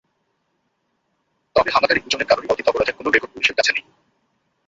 তবে হামলাকারী দুজনের কারোরই অতীত অপরাধের কোনো রেকর্ড পুলিশের কাছে নেই।